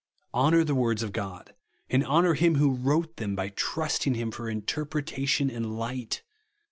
Honour the words of God ; and honour hiin who wrote them, by trusting him for interpretation and light.